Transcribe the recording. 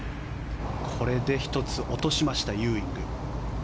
これで１つ落としましたユーイング。